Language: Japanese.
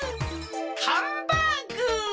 ハンバーグ！